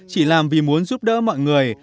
chỉ làm vì muốn giúp đỡ mọi người